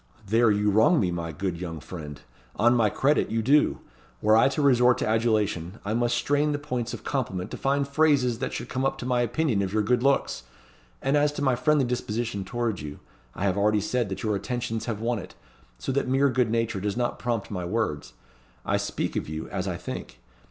"There you wrong me, my good young friend on my credit, you do. Were I to resort to adulation, I must strain the points of compliment to find phrases that should come up to my opinion of your good looks; and as to my friendly disposition towards you, I have already said that your attentions have won it, so that mere good nature does not prompt my words. I speak of you, as I think.